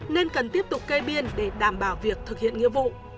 nên cần tiếp tục kê biên để đảm bảo việc thực hiện nghĩa vụ